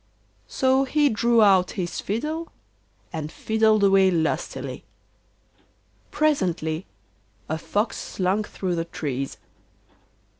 So he drew out his fiddle, and fiddled away lustily. Presently a fox slunk through the trees.